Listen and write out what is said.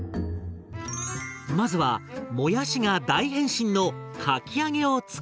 まずはもやしが大変身のかき揚げを作ります。